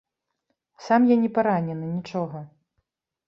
Сам я не паранены, нічога.